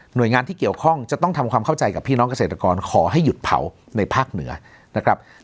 โดยงานที่เกี่ยวข้องจะต้องทำความเข้าใจกับพี่น้องเกษตรกรขอให้หยุดเผาในภาคเหนือนะครับ